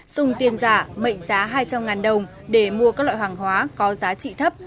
dùng tiền giả mệnh giá hai trăm linh đồng để mua các loại hàng hóa có giá trị thấp